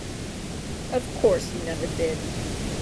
Of course you never did.